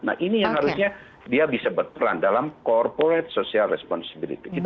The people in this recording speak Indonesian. nah ini yang harusnya dia bisa berperan dalam corporate social responsibility